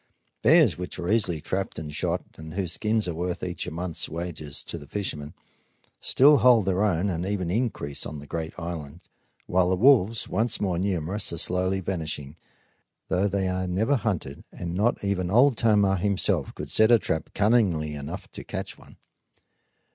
Bears, which are easily trapped and shot and whose skins are worth each a month's wages to the fishermen, still hold their own and even increase on the great island; while the wolves, once more numerous, are slowly vanishing, though they are never hunted, and not even Old Tomah himself could set a trap cunningly enough to catch one.